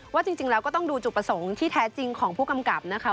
จริงแล้วก็ต้องดูจุดประสงค์ที่แท้จริงของผู้กำกับนะคะ